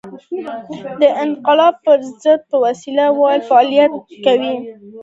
د انقلاب پر ضد په وسله وال فعالیت تورن یاست.